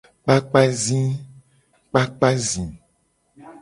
Kpakpa zi.